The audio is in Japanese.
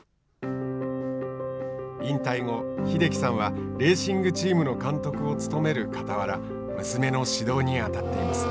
引退後、英樹さんはレーシングチームの監督を務める傍ら娘の指導に当たっています。